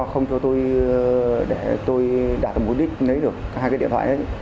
không cho tôi để tôi đạt mối đích lấy được hai cái điện thoại đấy